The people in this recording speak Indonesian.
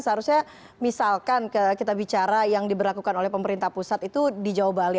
seharusnya misalkan kita bicara yang diberlakukan oleh pemerintah pusat itu di jawa bali